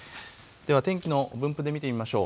では天気の分布で見てみましょう。